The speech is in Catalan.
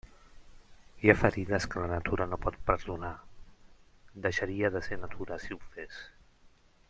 Hi ha ferides que la natura no pot perdonar; deixaria de ser natura si ho fes.